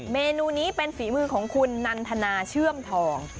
เมนูนี้เป็นฝีมือของคุณนันทนาเชื่อมทอง